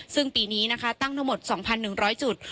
ซึ่งปีนี้นะคะตั้งทั้งหมด๒๑๐๐จุด